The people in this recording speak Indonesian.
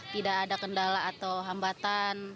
tidak ada kendala atau hambatan